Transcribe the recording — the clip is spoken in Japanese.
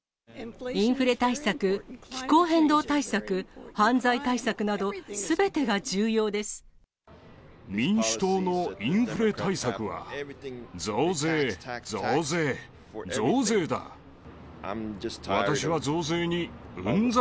インフレ対策、気候変動対策、民主党のインフレ対策は、増税、増税、増税だ。